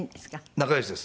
仲良しです。